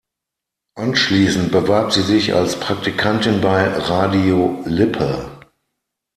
Anschließend bewarb sie sich als Praktikantin bei Radio Lippe.